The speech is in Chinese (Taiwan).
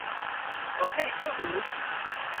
我可以速讀